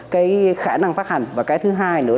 cái khả năng phát hành và cái thứ hai nữa